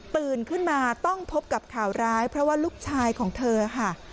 ขึ้นมาต้องพบกับข่าวร้ายเพราะว่าลูกชายของเธอค่ะ